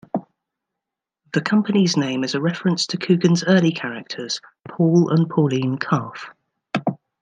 The company's name is a reference to Coogan's early characters Paul and Pauline Calf.